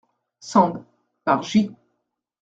Sand, par J.